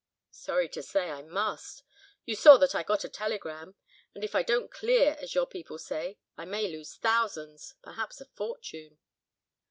"Sorry to say I must; you saw that I got a telegram, and if I don't clear, as your people say, I may lose thousands, perhaps a fortune."